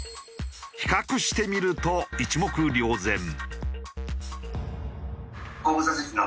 比較してみると一目瞭然。